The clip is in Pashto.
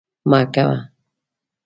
مه کوه